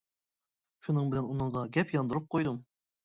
شۇنىڭ بىلەن ئۇنىڭغا گەپ ياندۇرۇپ قويدۇم.